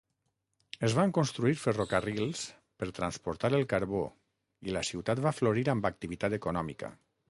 Es van construir ferrocarrils per transportar el carbó i la ciutat va florir amb activitat econòmica.